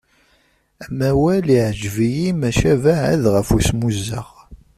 Amawal yeɛǧeb-iyi maca beɛɛed ɣef usmuzzeɣ.